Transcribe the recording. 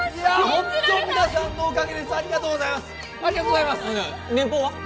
ホント皆さんのおかげですありがとうございます年俸は？